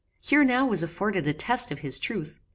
Here now was afforded a test of his truth.